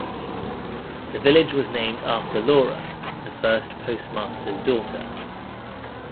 The village was named after Laura, the first postmaster's daughter.